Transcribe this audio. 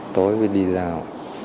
tối mới đi giao